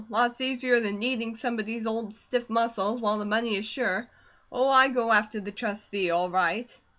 Lots easier than kneading somebody's old stiff muscles, while the money is sure. Oh, I go after the Trustee, all right!"